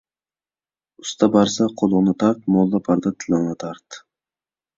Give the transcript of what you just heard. ئۇستا بارسا قولۇڭنى تارت، موللا باردا تىلىڭنى تارت.